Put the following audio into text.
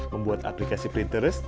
membuat aplikasi printers